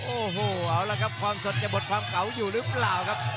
โอ้โหเอาละครับความสดจะหมดความเก่าอยู่หรือเปล่าครับ